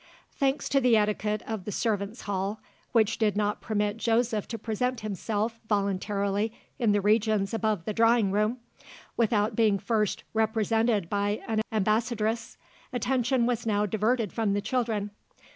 Thanks to the etiquette of the servants' hall which did not permit Joseph to present himself, voluntarily, in the regions above the drawing room, without being first represented by an ambassadress attention was now diverted from the children.